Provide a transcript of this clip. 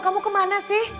kamu ke mana sih